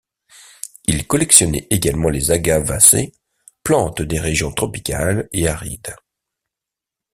Il collectionnait également les agavacées, plantes des régions tropicales et arides.